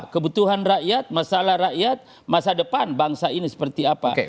kebutuhan rakyat masalah rakyat masa depan bangsa ini seperti apa